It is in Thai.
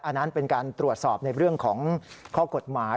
อันนั้นเป็นการตรวจสอบในเรื่องของข้อกฎหมาย